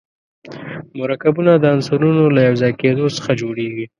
مرکبونه د عنصرونو له یو ځای کېدو څخه جوړیږي.